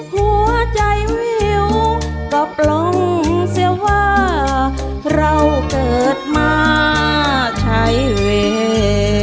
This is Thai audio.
หัวใจวิวก็ปลงเสียว่าเราเกิดมาใช้เวย์